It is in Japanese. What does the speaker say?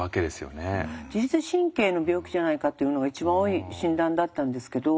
自律神経の病気じゃないかっていうのが一番多い診断だったんですけど